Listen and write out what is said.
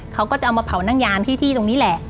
เขาก็จะเอามาเผานั่งยามที่ตรงนี้แหละ